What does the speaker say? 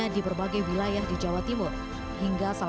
dari misalnya beras